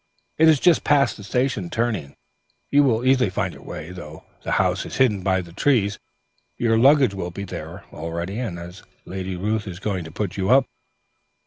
It is just past the station turning; you will easily find your way, though the house is hidden by the trees. Your luggage will be there already, as Lady Ruth is going to put you up."